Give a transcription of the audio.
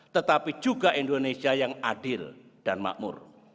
tetapi juga indonesia yang adil dan makmur